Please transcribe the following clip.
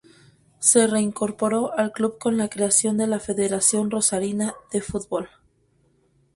Se reincorporó al club con la creación de la Federación Rosarina de Football.